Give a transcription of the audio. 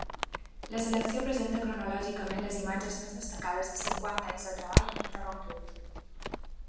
La selecció presenta cronològicament les imatges més destacades de cinquanta anys de treball ininterromput.